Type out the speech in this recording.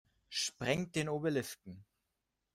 Sprengt den Obelisken!